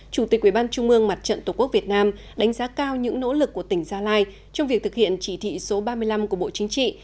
chủ tịch ubnd mặt trận tổ quốc việt nam đánh giá cao những nỗ lực của tỉnh gia lai trong việc thực hiện chỉ thị số ba mươi năm của bộ chính trị